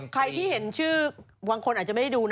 ใครที่เห็นชื่อบางคนอาจจะไม่ได้ดูนะ